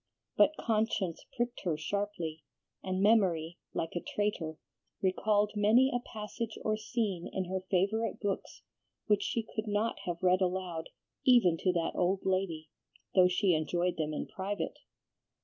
But conscience pricked her sharply, and memory, like a traitor, recalled many a passage or scene in her favorite books which she could not have read aloud even to that old lady, though she enjoyed them in private.